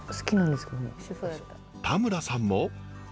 田村さんも。